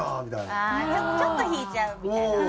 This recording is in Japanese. ああちょっと引いちゃうみたいな。